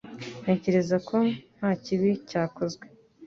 Ntekereza ko nta kibi cyakozwe